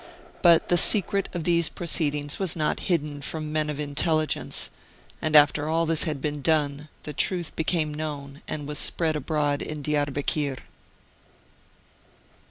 But the secret of these proceedings was not hidden from men of intelligence, and after all this had been done, the truth became known and was spread abroad in Diarbekir.